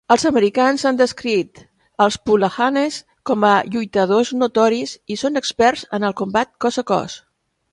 Els americans han descrit als Pulahanes com a lluitadors notoris i són experts en el combat cos a cos.